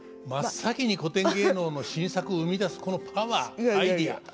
真っ先に古典芸能の新作を生み出すこのパワーアイデア。